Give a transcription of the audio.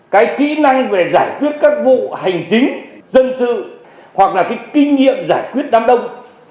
cái kỹ năng về giải quyết các vụ hành chính dân sự hoặc là cái kinh nghiệm giải quyết đám đông